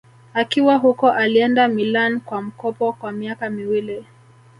Akiwa huko alienda Milan kwa mkopo kwa miaka miwili